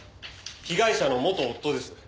被害者の元夫です。